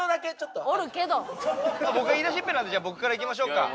僕が言い出しっぺなんでじゃあ僕からいきましょうか。